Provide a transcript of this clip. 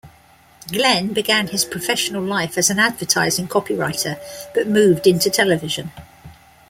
Glen began his professional life as an advertising copywriter but moved into television.